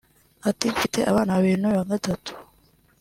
Ati″Mfite abana babiri n’uyu wa gatatu